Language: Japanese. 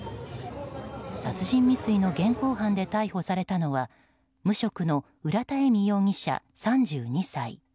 殺人未遂の現行犯で逮捕されたのは無職の浦田恵美容疑者、３２歳。